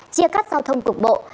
chia cắt giao thông cục bộ